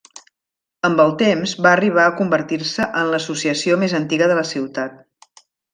Amb el temps va arribar a convertir-se en l'associació més antiga de la ciutat.